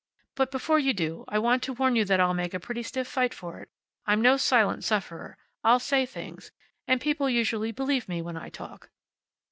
But before you do, I want to warn you that I'll make a pretty stiff fight for it. I'm no silent sufferer. I'll say things. And people usually believe me when I talk."